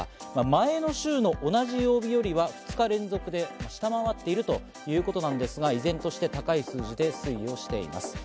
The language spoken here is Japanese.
前の週の同じ曜日よりは２日連続で下回っているということなんですが、依然として高い数字で推移しています。